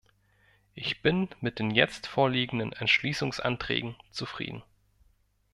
Ich bin mit den jetzt vorliegenden Entschließungsanträgen zufrieden.